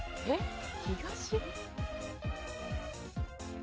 えっ？